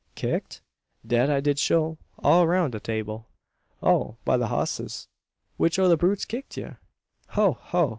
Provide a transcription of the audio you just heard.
"Kicked?" "Dat I did shoo all round de 'table." "Oh! by the hosses! Which o' the brutes kicked ye?" "Ho! ho!